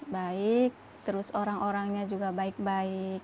baik terus orang orangnya juga baik baik